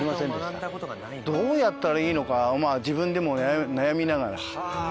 どうやったらいいのか自分でも悩みながら。